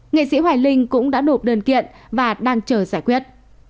nghệ sĩ hoài linh cũng đã nộp đơn kiện và đang chờ giải quyết